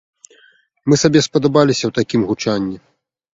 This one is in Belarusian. Мы сабе спадабаліся ў такім гучанні!